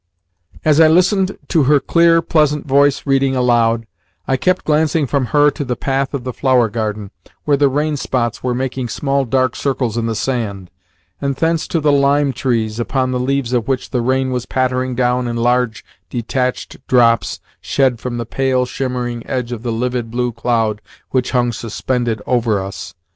As I listened to her clear, pleasant voice reading aloud, I kept glancing from her to the path of the flower garden, where the rain spots were making small dark circles in the sand, and thence to the lime trees, upon the leaves of which the rain was pattering down in large detached drops shed from the pale, shimmering edge of the livid blue cloud which hung suspended over us.